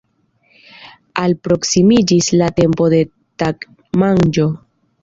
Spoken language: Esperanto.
Alproksimiĝis la tempo de tagmanĝo.